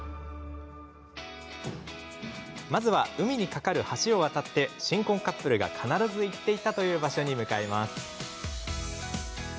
まずは海に架かる橋を渡って新婚カップルが必ず行っていたという場所に向かいます。